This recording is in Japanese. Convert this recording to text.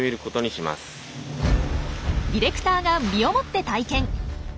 ディレクターが身をもって体験！